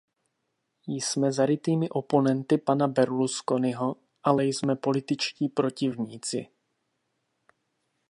Jsme zarytými oponenty pana Berlusconiho, ale jsme političtí protivníci.